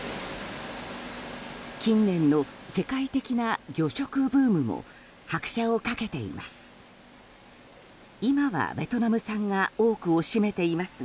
近年の世界的な魚食ブームも拍車を掛けています。